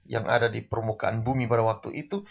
yang ada di permukaan bumi pada waktu itu